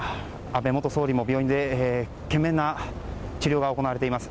安倍元総理には病院で懸命な治療が行われています。